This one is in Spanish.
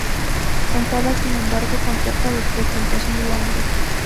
Contaba sin embargo con cerca de trescientos mil hombres.